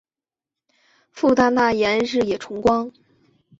父大纳言日野重光。